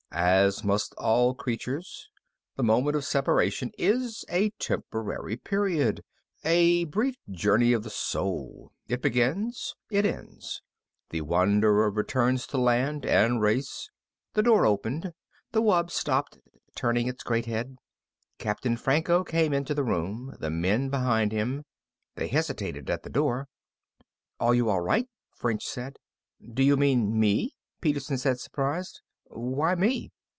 "As must all creatures. The moment of separation is a temporary period, a brief journey of the soul. It begins, it ends. The wanderer returns to land and race...." The door opened. The wub stopped, turning its great head. Captain Franco came into the room, the men behind him. They hesitated at the door. "Are you all right?" French said. "Do you mean me?" Peterson said, surprised. "Why me?"